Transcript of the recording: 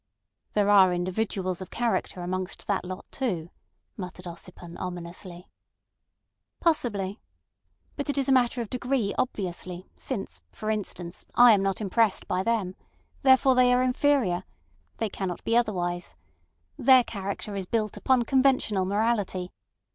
"There are individuals of character amongst that lot too," muttered Ossipon ominously. "Possibly. But it is a matter of degree obviously, since, for instance, I am not impressed by them. Therefore they are inferior. They cannot be otherwise. Their character is built upon conventional morality.